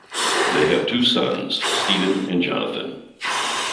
They have two sons, Steven and Jonathon.